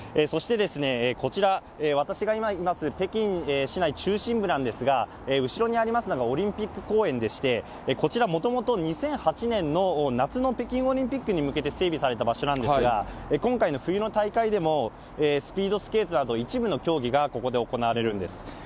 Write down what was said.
そしてこちら、私が今います、北京市内中心部なんですが、後ろにありますのがオリンピック公園でして、こちらもともと２００８年の夏の北京オリンピックに向けて整備された場所なんですが、今回の冬の大会でも、スピードスケートなど、一部の競技がここで行われるんです。